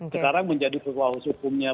sekarang menjadi kuasa hukumnya